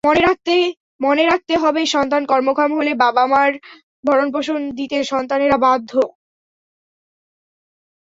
মনে রাখতে হবে, সন্তান কর্মক্ষম হলে মা-বাবার ভরণপোষণ দিতে সন্তানেরা বাধ্য।